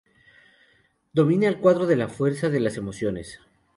Domina el cuadro la fuerza de las emociones.